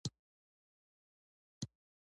ویده انسان هېڅ نه ویني